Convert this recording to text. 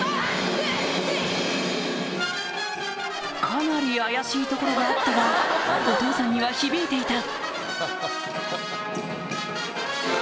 かなり怪しいところがあったがお父さんには響いていた